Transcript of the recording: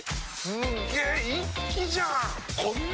すげ一気じゃん！